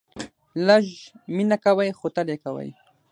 لږ مینه کوئ ، خو تل یې کوئ